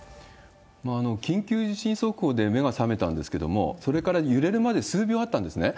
緊急地震速報で目が覚めたんですけれども、それから揺れるまでに数秒あったんですね。